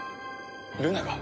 ルナが？